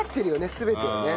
全てをね。